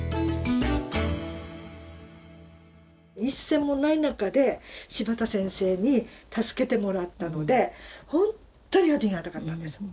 一銭もない中で柴田先生に助けてもらったので本当にありがたかったんです。